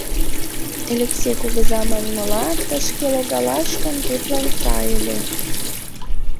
Элексей кугыза манмыла, тышке логалаш гын, тудлан сай ыле.